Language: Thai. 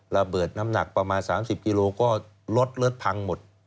ระเบิดน้ำหนักประมาณ๓๐กิโลก็รถรถพังหมด